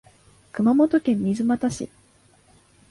熊本県水俣市